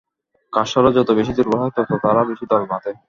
কার্সরা যত বেশি দুর্বল হয়, তত তারা বেশি দল বাঁধে।